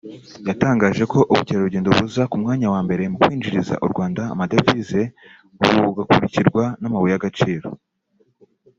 yatangaje ko ubukerarugendo buza ku mwanya wa mbere mu kwinjiriza u Rwanda amadevize bugakurikirwa n’amabuye y’agaciro